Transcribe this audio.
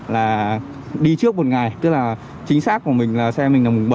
là đi trước một ngày tức là chính xác của mình là xe mình là mùng bảy